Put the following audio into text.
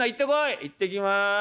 「行ってきます。